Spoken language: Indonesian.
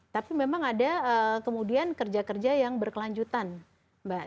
tapi memang ada kemudian kerja kerja yang berkelanjutan mbak